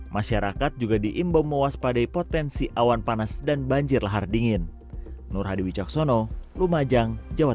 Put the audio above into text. masyarakat juga diimbau mewaspadai potensi awan panas dan banjir lahar dingin